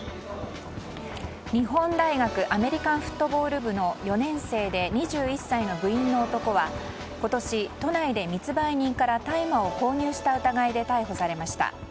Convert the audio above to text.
日本大学アメリカンフットボール部の４年生で２１歳の部員の男は今年密売人から大麻を購入した疑いで逮捕されました。